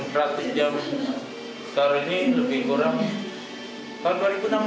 berarti yang sekarang ini lebih kurang